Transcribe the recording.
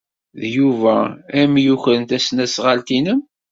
D Yuba ay am-yukren tasnasɣalt-nnem.